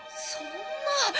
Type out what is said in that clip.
そんな。